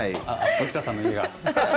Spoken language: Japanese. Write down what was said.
常田さんの家が？